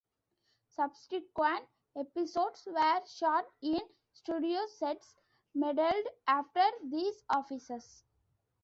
Subsequent episodes were shot in studio sets modeled after these offices.